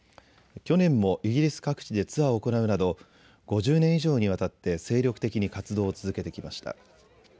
去年もイギリス各地でツアーを行うなど５０年以上にわたって精力的に活動を続けてきました。